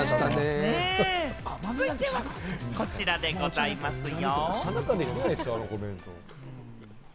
続いてはこちらでございますよ。